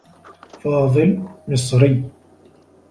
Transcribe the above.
فاضل مصري.